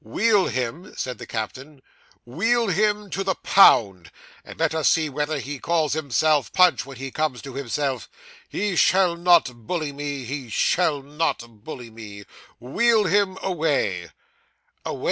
'Wheel him,' said the captain 'wheel him to the pound; and let us see whether he calls himself Punch when he comes to himself. He shall not bully me he shall not bully me. Wheel him away.